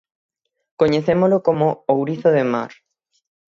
Coñecémolo como "ourizo de mar".